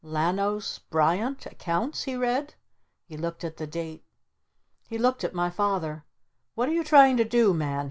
"Lanos Bryant? Accounts?" he read. He looked at the date. He looked at my Father. "What you trying to do, Man?"